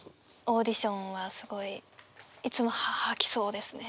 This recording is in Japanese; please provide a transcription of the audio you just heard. オーディションはすごいいつも吐きそうですね。